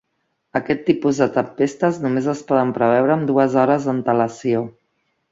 Aquest tipus de tempestes només es poden preveure amb dues hores d'antelació.